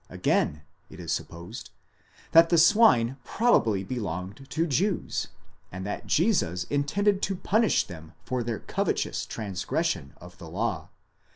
Again, it is supposed, that the swine probably belonged to Jews, and that Jesus in tended to punish them for their covetous transgression of the law